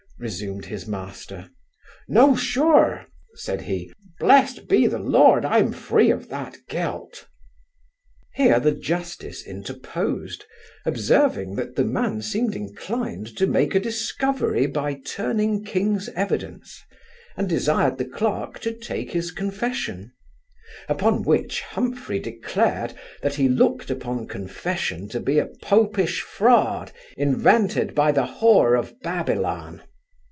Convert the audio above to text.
resumed his master. 'No, sure (said he) blessed be the Lord, I'm free of that guilt.' Here the justice interposed, observing, that the man seemed inclined to make a discovery by turning king's evidence, and desired the clerk to take his confession; upon which Humphry declared, that he looked upon confession to be a popish fraud, invented by the whore of Babylon.